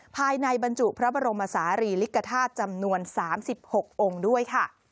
ภายในบรรจุพระบรมศาลีลิกธาตุจำนวน๓๖องค์ด้วยค่ะ